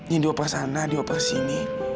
yang dioper sana dioper sini